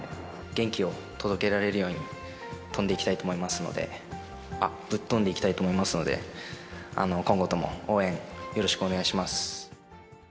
元気を届けられるように、飛んでいきたいと思いますので、あっ、ぶっ飛んでいきたいと思いますので、今後とも応援、よろしくお願いします。